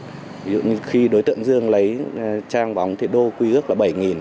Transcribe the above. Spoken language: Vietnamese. ví dụ như khi đối tượng dương lấy trang bóng thì đô quy ước là bảy